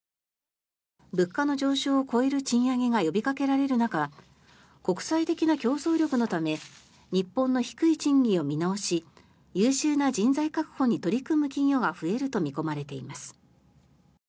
物価の上昇を超える賃上げが呼びかけられる中国際的な競争力のため日本の低い賃金を見直し優秀な人材確保に取り組む企業が増えると見込まれています。